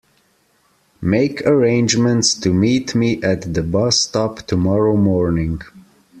Make arrangements to meet me at the bus stop tomorrow morning.